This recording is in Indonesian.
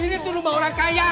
ini tuh rumah orang kaya